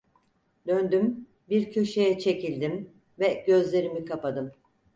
Döndüm, bir köşeye çekildim ve gözlerimi kapadım.